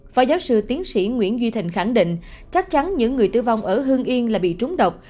phó giáo sư tiến sĩ nguyễn duy thịnh khẳng định chắc chắn những người tử vong ở hương yên là bị trúng độc